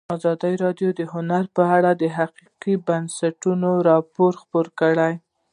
ازادي راډیو د هنر په اړه د حقایقو پر بنسټ راپور خپور کړی.